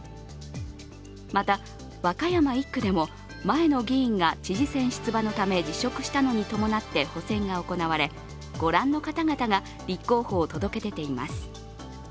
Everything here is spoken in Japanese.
また和歌山１区でも前の議員が知事選出馬のため辞職したのに伴って補選が行われ、ご覧の方々が立候補を届け出ています。